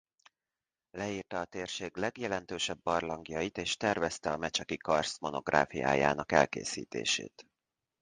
Leírta a térség legjelentősebb barlangjait és tervezte a mecseki karszt monográfiájának elkészítését.